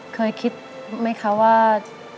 เคยคิดไหมคะว่า